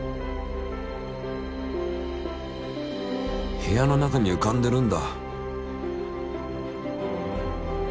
部屋の中にうかんでるんだ。